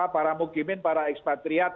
para mukimin para ekspatriat